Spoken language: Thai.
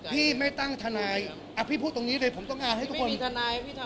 พี่ไม่ตั้งทนายอ่ะพี่พูดตรงนี้เลยผมต้องการให้ทุกคน